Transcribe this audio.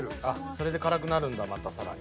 それで辛くなるんだまた更に。